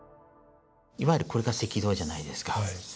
いわゆるこれが赤道じゃないですか。